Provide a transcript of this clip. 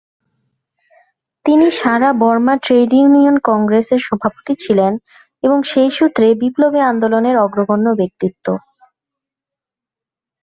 তিনি সারা Burma trade union কংগ্রেসের সভাপতি ছিলেন এবং সেই সূত্রে বিপ্লবী আন্দোলনের অগ্রগণ্য ব্যক্তিত্ব।